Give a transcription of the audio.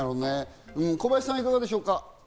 小林さんはいかがでしょうか？